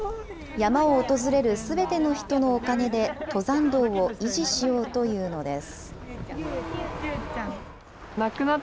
山を訪れるすべての人のお金で、登山道を維持しようというのです。